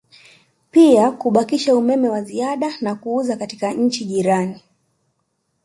Pia kubakisha umeme wa ziada na kuuza katika nchi jirani